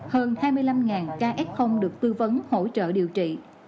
hơn hai mươi năm ks được tư vấn hỗ trợ điều trị